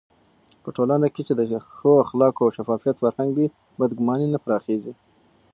په ټولنه کې چې د ښو اخلاقو او شفافيت فرهنګ وي، بدګماني نه پراخېږي.